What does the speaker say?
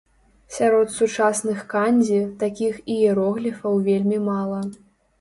Сярод сучасных кандзі такіх іерогліфаў вельмі мала.